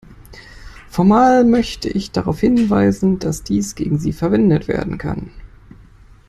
Formal möchte ich darauf hinweisen, dass dies gegen Sie verwendet werden kann.